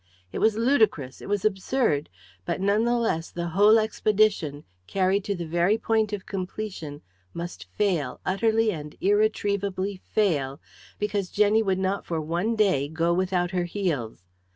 It was ludicrous, it was absurd, but none the less the whole expedition, carried to the very point of completion, must fail, utterly and irretrievably fail, because Jenny would not for one day go without her heels.